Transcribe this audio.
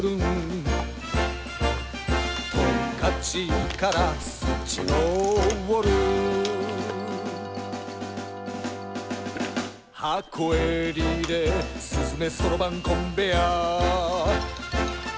「トンカチからスチロールー」「箱へリレーすすめそろばんコンベア」